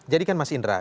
jadi kan mas indra